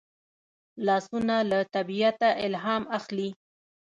لاسونه له طبیعته الهام اخلي